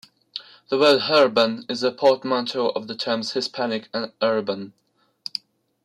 The word hurban is a portmanteau of the terms "Hispanic" and "urban.